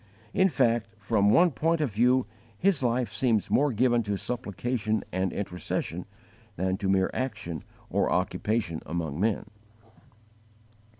In fact, from one point of view his life seems more given to supplication and intercession than to mere action or occupation among men.